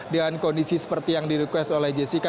dengan kondisi seperti yang direquest oleh jessica